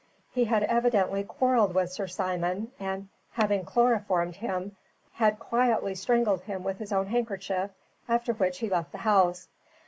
He had evidently quarrelled with Sir Simon, and, having chloroformed him, had quietly strangled him with his own handkerchief, after which he left the house.